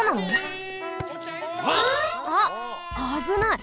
あっあぶない！